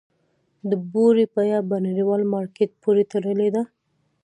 د بورې بیه په نړیوال مارکیټ پورې تړلې ده؟